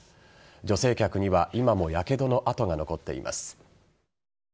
女性客には今もやけどの痕が残っています。